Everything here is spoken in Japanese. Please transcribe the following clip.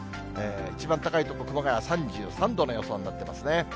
一番高い所、熊谷３３度の予想になってますね。